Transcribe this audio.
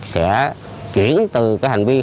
sẽ chuyển từ hành vi